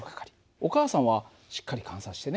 お母さんはしっかり観察してね。